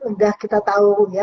sudah kita tahu ya